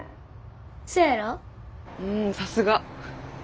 うんさすが。